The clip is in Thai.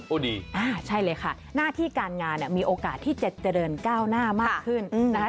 ดีอ่าใช่เลยค่ะหน้าที่การงานเนี่ยมีโอกาสที่จะเจริญก้าวหน้ามากขึ้นนะคะ